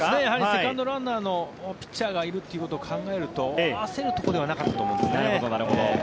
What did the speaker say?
セカンドランナーのピッチャーがいるということを考えると焦るところではなかったと思います。